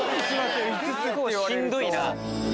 結構しんどいな。